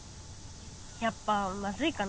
やっぱまずいかな？